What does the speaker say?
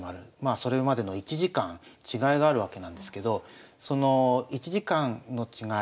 それまでの１時間違いがあるわけなんですけどその１時間の違い